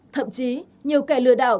thậm chí nhiều kẻ lừa đảo